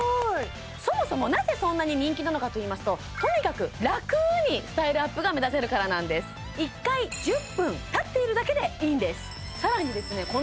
そもそもなぜそんなに人気なのかといいますととにかく楽にスタイルアップが目指せるからなんですでいいんですさらにですね